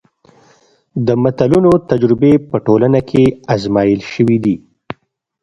د متلونو تجربې په ټولنه کې ازمایل شوي دي